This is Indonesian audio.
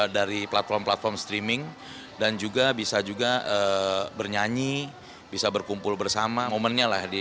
dari platform platform streaming dan juga bisa juga bernyanyi bisa berkumpul bersama momennya lah